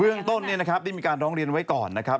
เรื่องต้นได้มีการร้องเรียนไว้ก่อนนะครับ